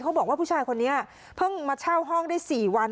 บอกว่าผู้ชายคนนี้เพิ่งมาเช่าห้องได้๔วัน